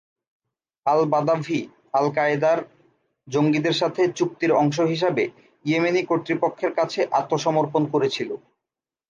আল-বাদাভি আল-কায়েদার জঙ্গিদের সাথে চুক্তির অংশ হিসাবে ইয়েমেনি কর্তৃপক্ষের কাছে আত্মসমর্পণ করেছিল।